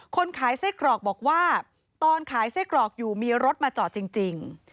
คนขายไส้กรอกบอกว่าตอนขายไส้กรอกอยู่มีรถมาจอดจริง